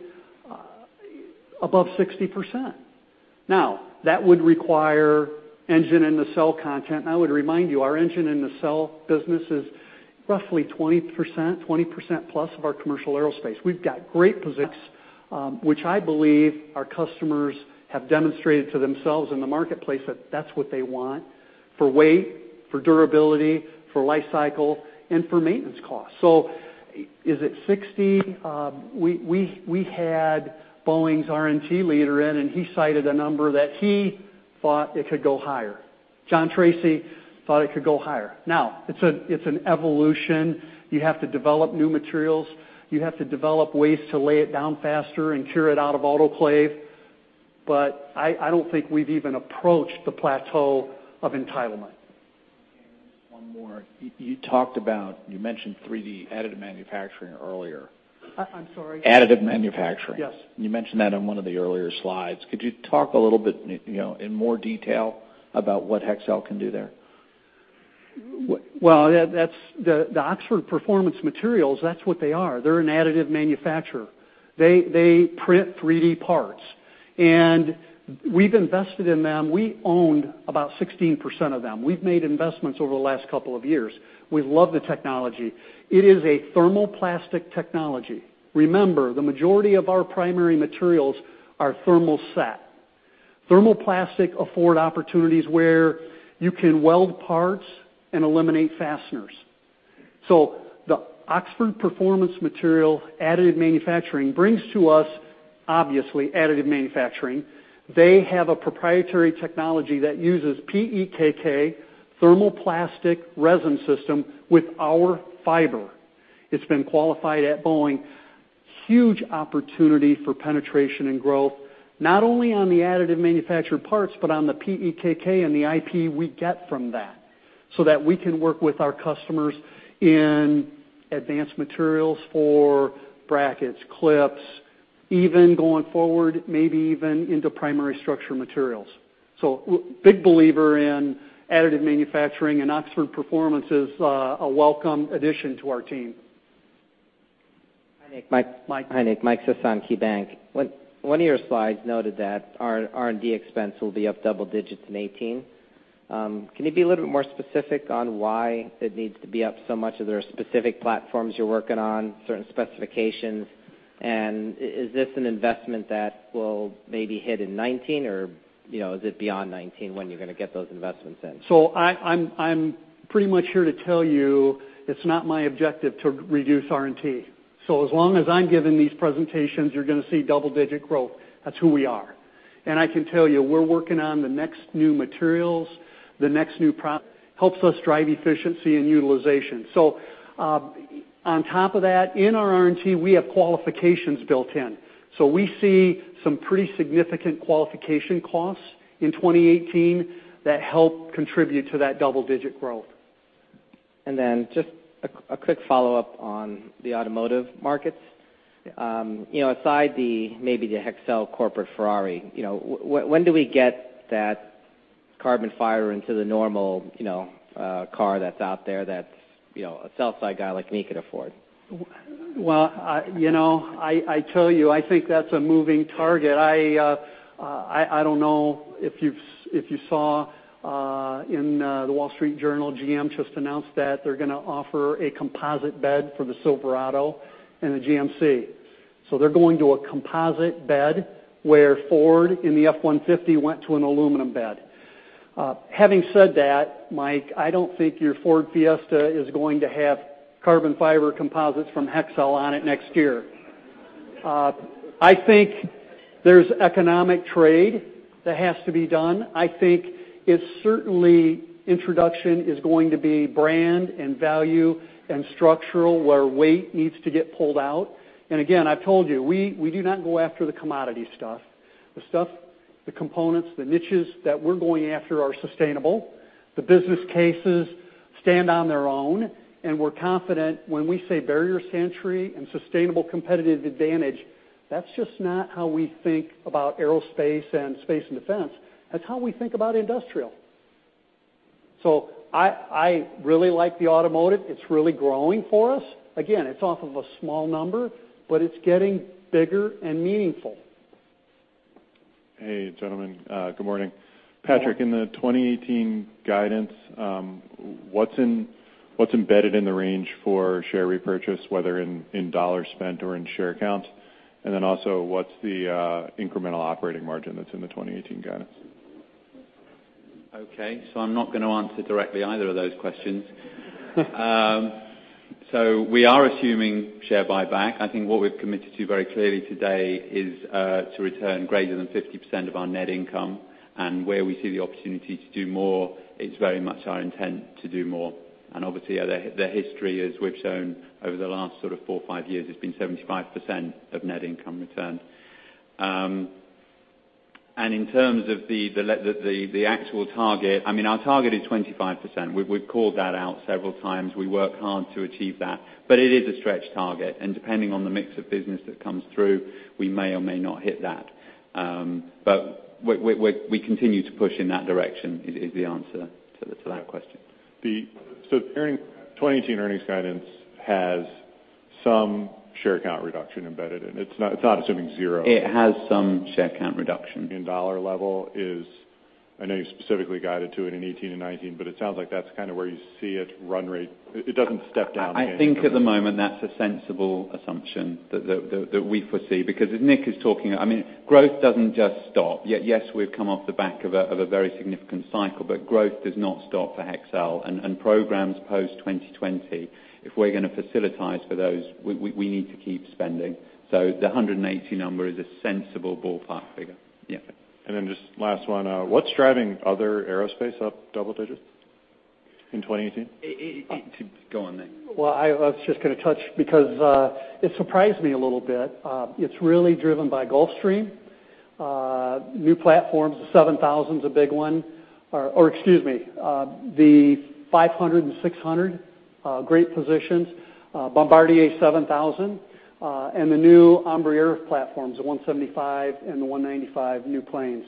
above 60%. That would require engine and nacelle content. I would remind you, our engine and nacelle business is roughly 20% plus of our commercial aerospace. We've got great physics, which I believe our customers have demonstrated to themselves in the marketplace that that's what they want for weight, for durability, for life cycle, and for maintenance costs. Is it 60%? We had Boeing's R&T leader in, he cited a number that he thought it could go higher. John Tracy thought it could go higher. It's an evolution. You have to develop new materials. You have to develop ways to lay it down faster and cure it out-of-autoclave. I don't think we've even approached the plateau of entitlement. Just one more. You mentioned 3D additive manufacturing earlier. I'm sorry? additive manufacturing. Yes. You mentioned that on one of the earlier slides. Could you talk a little bit in more detail about what Hexcel can do there? Well, the Oxford Performance Materials, that's what they are. They're an additive manufacturer. They print 3D parts. We've invested in them. We owned about 16% of them. We've made investments over the last couple of years. We love the technology. It is a thermoplastic technology. Remember, the majority of our primary materials are thermoset. thermoplastic afford opportunities where you can weld parts and eliminate fasteners. The Oxford Performance Materials additive manufacturing brings to us, obviously, additive manufacturing. They have a proprietary technology that uses PEKK thermoplastic resin system with our fiber. It's been qualified at Boeing. Huge opportunity for penetration and growth, not only on the additive manufactured parts, but on the PEKK and the IP we get from that, so that we can work with our customers in advanced materials for brackets, clips, even going forward, maybe even into primary structure materials. Big believer in additive manufacturing, and Oxford Performance is a welcome addition to our team. Hi, Nick. Mike. Mike. Hi, Nick. Michael Ciarmoli, KeyBank. One of your slides noted that R&D expense will be up double digits in 2018. Can you be a little bit more specific on why it needs to be up so much? Are there specific platforms you're working on, certain specifications? Is this an investment that will maybe hit in 2019, or is it beyond 2019 when you're going to get those investments in? I'm pretty much here to tell you it's not my objective to reduce R&T. As long as I'm giving these presentations, you're going to see double-digit growth. That's who we are. I can tell you, we're working on the next new materials, the next new pro-- helps us drive efficiency and utilization. On top of that, in our R&T, we have qualifications built in. We see some pretty significant qualification costs in 2018 that help contribute to that double-digit growth. Just a quick follow-up on the automotive markets. Aside maybe the Hexcel corporate Ferrari, when do we get that carbon fiber into the normal car that's out there that a Southside guy like me could afford? Well, I tell you, I think that's a moving target. I don't know if you saw in "The Wall Street Journal," GM just announced that they're going to offer a composite bed for the Silverado and the GMC. They're going to a composite bed, where Ford in the F-150 went to an aluminum bed. Having said that, Mike, I don't think your Ford Fiesta is going to have carbon fiber composites from Hexcel on it next year. I think there's economic trade that has to be done. I think certainly introduction is going to be brand and value and structural, where weight needs to get pulled out. Again, I've told you, we do not go after the commodity stuff. The stuff, the components, the niches that we're going after are sustainable. The business cases stand on their own. We're confident when we say barrier to entry and sustainable competitive advantage, that's just not how we think about aerospace and space and defense. That's how we think about industrial. I really like the automotive. It's really growing for us. Again, it's off of a small number, but it's getting bigger and meaningful. Hey, gentlemen. Good morning. Morning. Patrick, in the 2018 guidance, what's embedded in the range for share repurchase, whether in $ spent or in share count? Also, what's the incremental operating margin that's in the 2018 guidance? Okay. I'm not going to answer directly either of those questions. We are assuming share buyback. I think what we've committed to very clearly today is to return greater than 50% of our net income, where we see the opportunity to do more, it's very much our intent to do more. Obviously, the history, as we've shown over the last sort of four or five years, has been 75% of net income return. In terms of the actual target, our target is 25%. We've called that out several times. We work hard to achieve that, it is a stretch target, depending on the mix of business that comes through, we may or may not hit that. We continue to push in that direction, is the answer to that question. 2020 earnings guidance has some share count reduction embedded in. It's not assuming zero. It has some share count reduction. In dollar level is, I know you specifically guided to it in 2018 and 2019, it sounds like that's kind of where you see it run rate. It doesn't step down. I think at the moment, that's a sensible assumption that we foresee. As Nick is talking, growth doesn't just stop. Yes, we've come off the back of a very significant cycle, growth does not stop for Hexcel. Programs post 2020, if we're going to facilitize for those, we need to keep spending. The 180 number is a sensible ballpark figure. Yeah. Just last one. What's driving other aerospace up double digits in 2018? Go on, Nick. I was just going to touch, because it surprised me a little bit. It's really driven by Gulfstream. New platforms, the 7000's a big one. Or excuse me the 500 and 600, great positions. Bombardier 7000, and the new Embraer platforms, the 175 and the 195 new planes.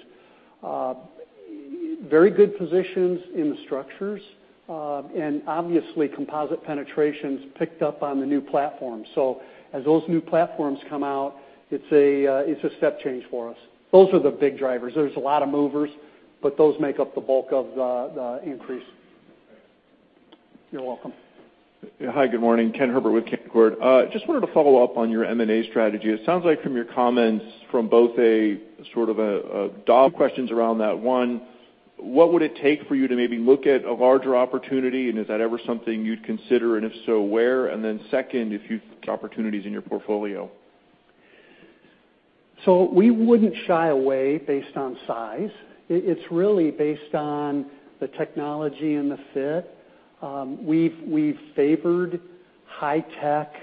Very good positions in the structures, and obviously, composite penetrations picked up on the new platforms. As those new platforms come out, it's a step change for us. Those are the big drivers. There's a lot of movers, but those make up the bulk of the increase. Thanks. You're welcome. Hi, good morning. Ken Herbert with Canaccord. Just wanted to follow up on your M&A strategy. It sounds like from your comments from both a sort of a top questions around that. One, what would it take for you to maybe look at a larger opportunity, and is that ever something you'd consider, and if so, where? Second, if you've opportunities in your portfolio. We wouldn't shy away based on size. It's really based on the technology and the fit. We've favored high-tech,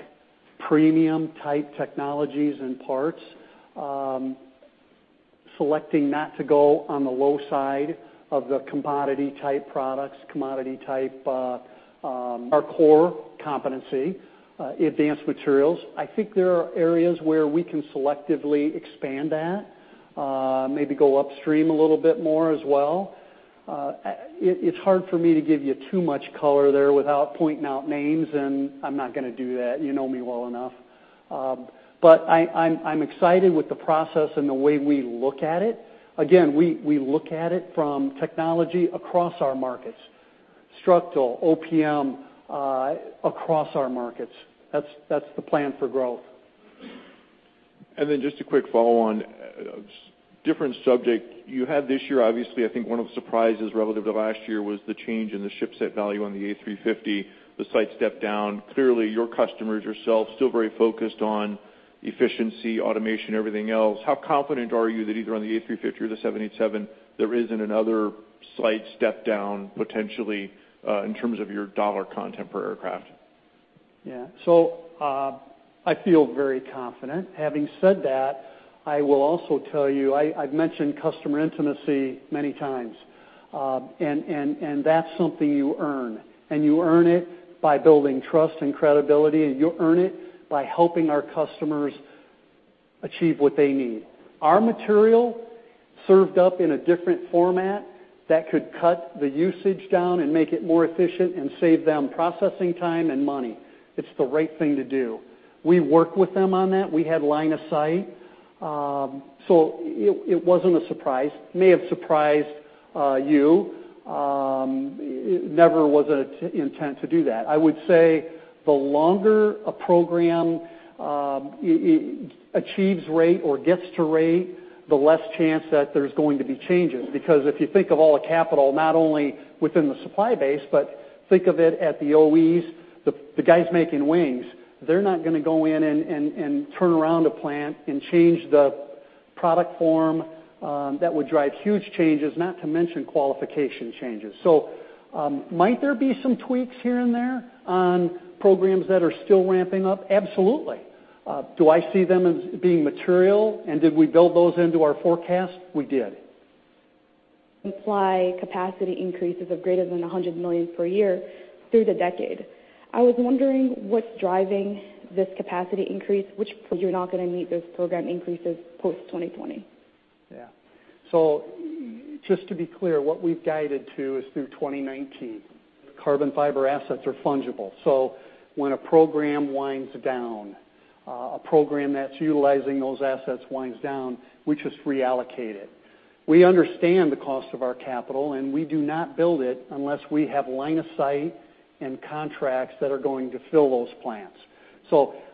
premium type technologies and parts, selecting not to go on the low side of the commodity type products, commodity type are core competency, advanced materials. I think there are areas where we can selectively expand that, maybe go upstream a little bit more as well. It's hard for me to give you too much color there without pointing out names, and I'm not going to do that. You know me well enough. I'm excited with the process and the way we look at it. Again, we look at it from technology across our markets. Structural, OPM, across our markets. That's the plan for growth. Just a quick follow-on. Different subject. You had this year, obviously, I think one of the surprises relative to last year was the change in the shipset value on the A350, the slight step down. Clearly, your customers yourself, still very focused on efficiency, automation, everything else. How confident are you that either on the A350 or the 787, there isn't another slight step down potentially, in terms of your dollar content per aircraft? Yeah. I feel very confident. Having said that, I will also tell you, I've mentioned customer intimacy many times. That's something you earn, and you earn it by building trust and credibility, and you earn it by helping our customers achieve what they need. Our material served up in a different format that could cut the usage down and make it more efficient and save them processing time and money. It's the right thing to do. We work with them on that. We had line of sight. It wasn't a surprise. May have surprised you. It never was an intent to do that. I would say the longer a program achieves rate or gets to rate, the less chance that there's going to be changes. If you think of all the capital, not only within the supply base, but think of it at the OEs, the guys making wings, they're not going to go in and turn around a plant and change the product form. That would drive huge changes, not to mention qualification changes. Might there be some tweaks here and there on programs that are still ramping up? Absolutely. Do I see them as being material, and did we build those into our forecast? We did. Supply capacity increases of greater than 100 million per year through the decade. I was wondering what's driving this capacity increase, which you're not going to meet those program increases post 2020. Yeah. Just to be clear, what we've guided to is through 2019. Carbon fiber assets are fungible. When a program winds down, a program that's utilizing those assets winds down, we just reallocate it. We understand the cost of our capital, and we do not build it unless we have line of sight and contracts that are going to fill those plants.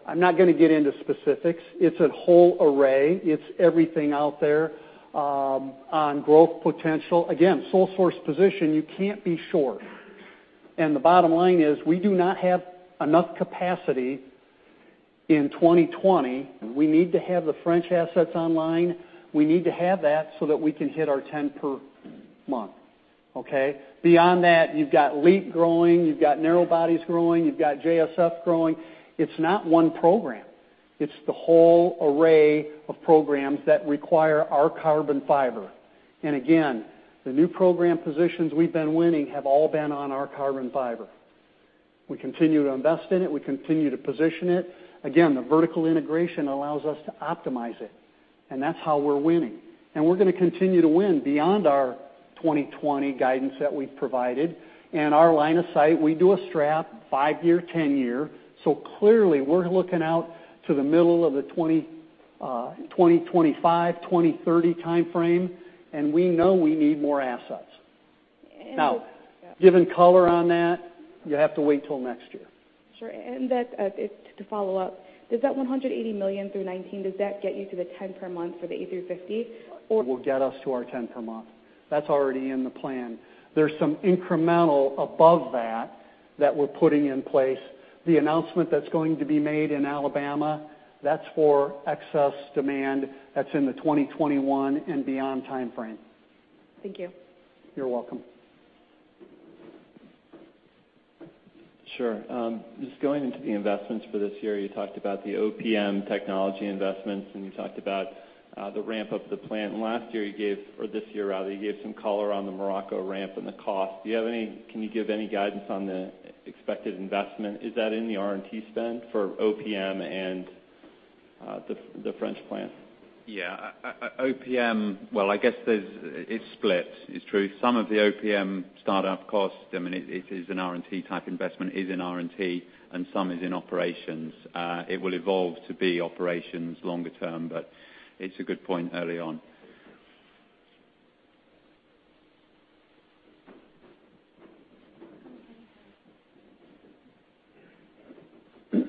I'm not going to get into specifics. It's a whole array. It's everything out there. On growth potential, again, sole source position, you can't be short. The bottom line is, we do not have enough capacity in 2020. We need to have the French assets online. We need to have that so that we can hit our 10 per month. Okay? Beyond that, you've got LEAP growing, you've got narrow bodies growing, you've got JSF growing. It's not one program. It's the whole array of programs that require our carbon fiber. Again, the new program positions we've been winning have all been on our carbon fiber. We continue to invest in it. We continue to position it. Again, the vertical integration allows us to optimize it, and that's how we're winning. We're going to continue to win beyond our 2020 guidance that we've provided. Our line of sight, we do a strap, five year, 10 year. Clearly, we're looking out to the middle of the 2025, 2030 timeframe, and we know we need more assets. And- Given color on that, you have to wait till next year. Sure. To follow up, does that $180 million through 2019, does that get you to the 10 per month for the A350 or? Will get us to our 10 per month. That's already in the plan. There's some incremental above that that we're putting in place. The announcement that's going to be made in Alabama, that's for excess demand, that's in the 2021 and beyond timeframe. Thank you. You're welcome. Sure. Just going into the investments for this year, you talked about the OPM technology investments, and you talked about the ramp up of the plant. Last year you gave, or this year rather, you gave some color on the Morocco ramp and the cost. Can you give any guidance on the expected investment? Is that in the R&T spend for OPM and the French plant? Yeah. OPM, well, I guess it splits. It's true. Some of the OPM start-up cost, it is an R&T type investment, is in R&T, and some is in operations. It will evolve to be operations longer term, but it's a good point early on. Okay.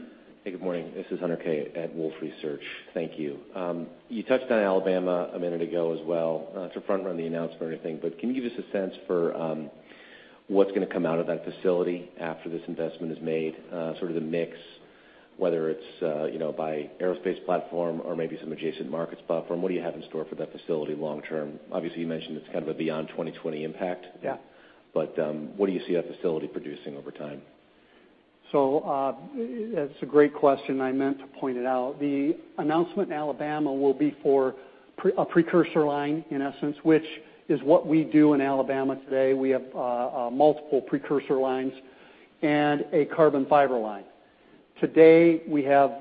Hey, good morning. This is Hunter Keay at Wolfe Research. Thank you. You touched on Alabama a minute ago as well. Not to front run the announcement or anything, but can you give us a sense for what's going to come out of that facility after this investment is made? Sort of the mix, whether it's by aerospace platform or maybe some adjacent markets platform. What do you have in store for that facility long term? Obviously, you mentioned it's kind of a beyond 2020 impact. Yeah. What do you see that facility producing over time? That's a great question. I meant to point it out. The announcement in Alabama will be for a precursor line, in essence, which is what we do in Alabama today. We have multiple precursor lines and a carbon fiber line. Today, we have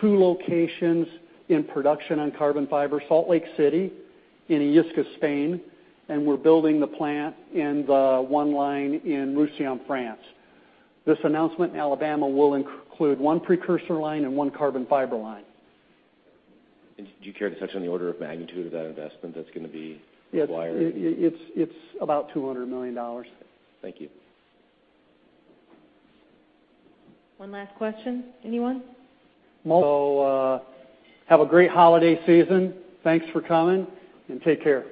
two locations in production on carbon fiber, Salt Lake City, in Illescas, Spain, and we're building the plant in the one line in Roussillon, France. This announcement in Alabama will include one precursor line and one carbon fiber line. Do you care to touch on the order of magnitude of that investment that's going to be required? It's about $200 million. Thank you. One last question. Anyone? Have a great holiday season. Thanks for coming, and take care.